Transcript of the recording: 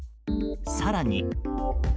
更に。